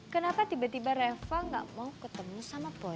kenapa tiba tiba reva gak mau ketemu sama pon